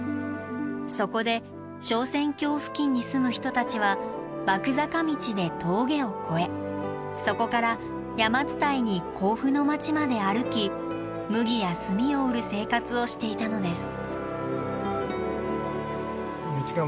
そこで昇仙峡付近に住む人たちは麦坂道で峠を越えそこから山伝いに甲府の町まで歩き麦や炭を売る生活をしていたのです。